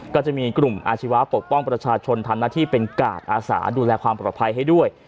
ก็จะมีกลุ่มอาชีวะปกป้องประชาชนทำหน้าที่เป็นกาดอาสาดูแลความปลอดภัยให้ด้วย